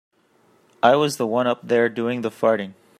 I was the one up there doing the farting.